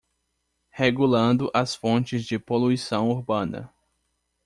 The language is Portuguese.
Regulando as fontes de poluição urbana